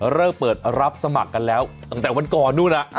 เริ่มเปิดรับสมัครกันแล้วตั้งแต่วันก่อนนู้น